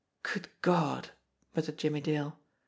"Good God!" muttered Jimmie Dale.